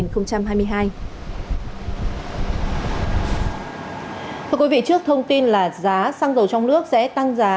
thưa quý vị trước thông tin là giá xăng dầu trong nước sẽ tăng giá